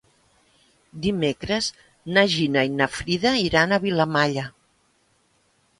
Dimecres na Gina i na Frida iran a Vilamalla.